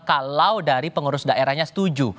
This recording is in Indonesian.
kalau dari pengurus daerahnya setuju